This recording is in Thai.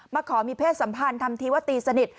ขอมีเพศสัมพันธ์ทำทีว่าตีสนิท